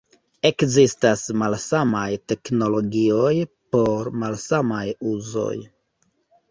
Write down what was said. Ekzistas malsamaj teknologioj por malsamaj uzoj.